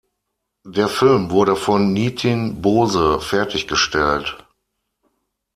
Der Film wurde von Nitin Bose fertiggestellt.